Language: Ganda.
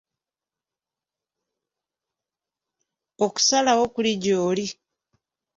Okusalawo kuli gy’oli.